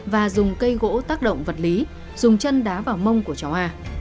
và dùng cây gỗ tác động vật lý dùng chân đá vào mông của cháu hoa